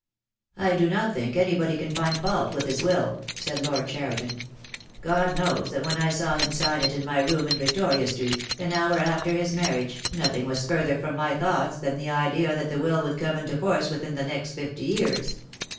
"I do not think anybody can find fault with his will," said Lord Cheriton. "God knows that when I saw him sign it in my room in Victoria Street, an hour after his marriage, nothing was further from my thoughts than the idea that the will would come into force within the next fifty years.